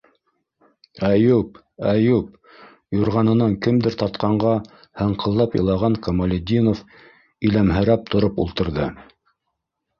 Әйүп, Әйүп! юрғанынан кемдер тартҡанға һыңҡылдап илаған Камалетдинов иләмһерәп тороп ултырҙы.